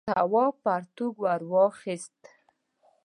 تواب پرتوگ ور واخیست.